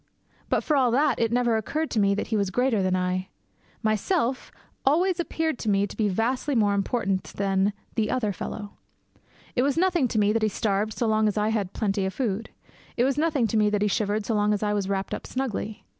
But for all that, it never occurred to me that he was greater than I. Myself always appeared to me to be vastly more important than The Other Fellow. It was nothing to me that he starved so long as I had plenty of food. It was nothing to me that he shivered so long as I was wrapped up snugly.